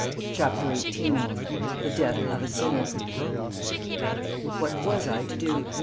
CHAPTER XVIII The Death of a Sinner What was I to do?